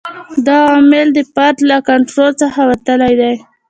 دا عوامل د فرد له کنټرول څخه وتلي دي.